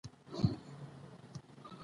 او پنځمه او شپومه وظيفه يې قضايي وظيفي دي